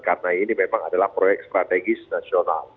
karena ini memang adalah proyek strategis nasional